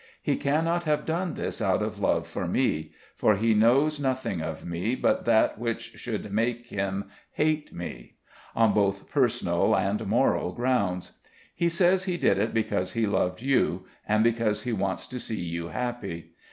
He cannot have done this out of love for me, for he knows nothing of me but that which should make him hate me, on both personal and moral grounds. He says he did it because he loved you, and because he wants to see you happy.